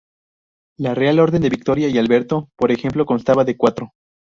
La Real Orden de Victoria y Alberto, por ejemplo, constaba de cuatro.